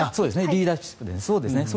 リーダーシップですね。